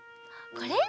これ？